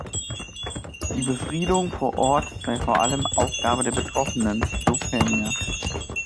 Die Befriedung vor Ort sei vor allem Aufgabe der Betroffenen, so Peña.